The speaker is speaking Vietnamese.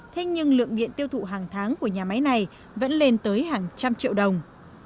thế nhưng lượng điện tiêu thụ hàng tháng của nhà máy này vẫn lên tới hàng trăm triệu đồng